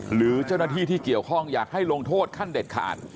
หรือเจ้าหน้าที่ที่เกี่ยวข้องอยากให้ลงโทษขั้นเด็ดขาด